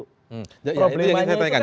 problemanya itu kan nahan dulu